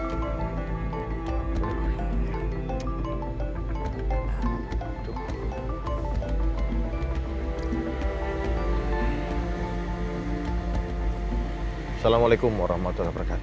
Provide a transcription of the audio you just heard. assalamualaikum warahmatullahi wabarakatuh